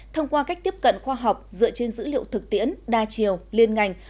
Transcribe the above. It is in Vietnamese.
thông qua cách tiếp cận khoa học dựa trên dữ liệu thực tiễn đa chiều liên ngành